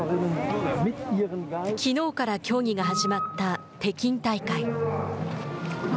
きのうから競技が始まった北京大会。